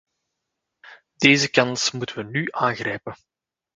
Deze kans moeten we nu aangrijpen.